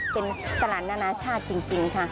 เป็นตลาดนานาชาติจริงค่ะ